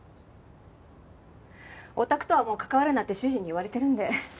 お宅とはもう関わるなって主人に言われてるんで。